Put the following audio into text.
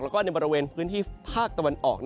แล้วก็ในบริเวณพื้นที่ภาคตะวันออก